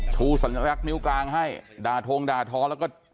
ชูสัญลักษณ์นิ้วกลางให้ด่าทงด่าท้อแล้วก็